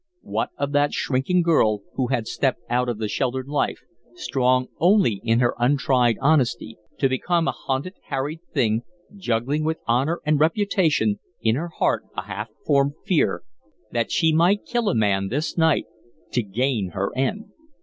What of that shrinking girl who had stepped out of the sheltered life, strong only in her untried honesty, to become a hunted, harried thing, juggling with honor and reputation, in her heart a half formed fear that she might kill a man this night to gain her end?